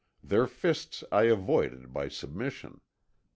Their fists I avoided by submission.